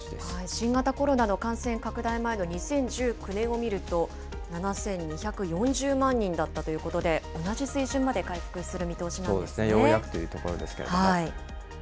新型コロナの感染拡大前の２０１９年を見ると、７２４０万人だったということで、同じ水準まで回復する見通しなんようやくというところですけれども。